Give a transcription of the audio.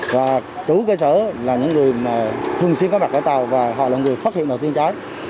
và chú cơ sở là những người thường xuyên phát bạc ở tàu và họ là người phát hiện đầu tiên cháy